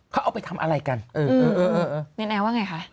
เขาเอาไปทำอะไรกันเออเออเนรแอร์ว่าไงคะ